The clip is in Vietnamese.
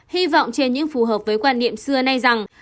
hy vọng trên những phù hợp với quan niệm xưa nay rằng